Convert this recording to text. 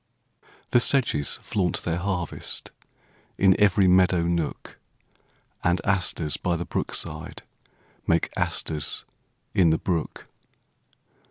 The sedges flaunt their harvest, In every meadow nook; And asters by the brook side Make asters in the brook.